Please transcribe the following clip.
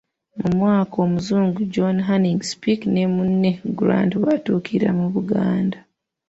Mu mwaka Omuzungu John Hanning Speke ne munne Grant mwe baatuukira mu Buganda.